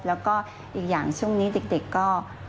แล้วก็อีกอย่างช่วงนี้เด็กก็